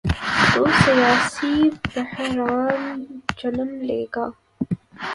تو سیاسی بحران جنم لے گا۔